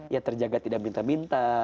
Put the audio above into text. ya terjaga tidak minta minta